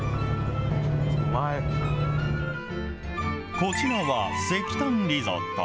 こちらは、石炭リゾット。